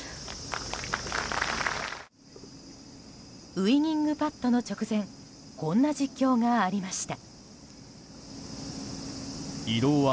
ウィニングパットの直前こんな実況がありました。